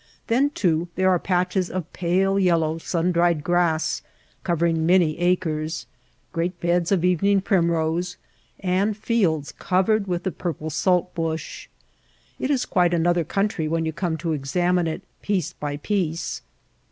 Then, too, there are patches of pale yellow sun dried grass covering many acres, great beds of evening primrose, and fields cov ered with the purple salt bush. It is quite an other country when you come to examine it piece by piece.